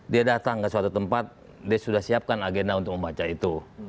dia datang ke suatu tempat dia sudah siapkan agenda untuk membaca itu